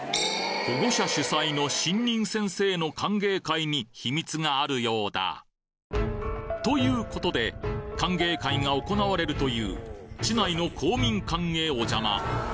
保護者主催の新任先生の歓迎会に秘密があるようだ。ということで、歓迎会が行われるという市内の公民館へお邪魔。